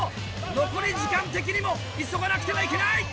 残り時間的にも急がなくてはいけない！